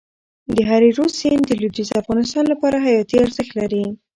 د هریرود سیند د لوېدیځ افغانستان لپاره حیاتي ارزښت لري.